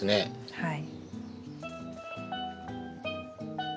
はい。